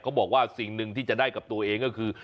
บอกว่าสิ่งหนึ่งที่จะได้กับตัวเองก็คือ